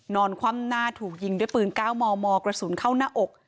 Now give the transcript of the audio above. คว่ำหน้าถูกยิงด้วยปืน๙มมกระสุนเข้าหน้าอก